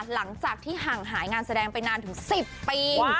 หลังจากที่ห่างหายงานแสดงไปนานถึง๑๐ปี